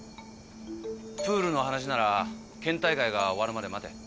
プールの話なら県大会が終わるまで待て。